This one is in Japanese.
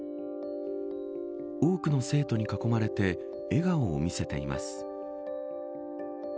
多くの生徒に囲まれて笑顔を見せています。